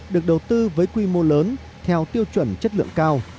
được đầu tư với quy mô lớn theo tiêu chuẩn chất lượng cao